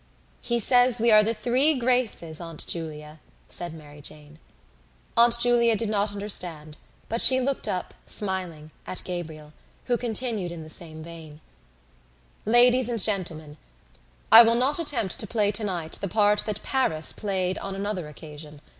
"He says we are the Three Graces, Aunt Julia," said Mary Jane. Aunt Julia did not understand but she looked up, smiling, at Gabriel, who continued in the same vein: "Ladies and Gentlemen, "I will not attempt to play tonight the part that Paris played on another occasion.